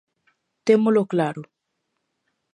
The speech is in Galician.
Témolo claro.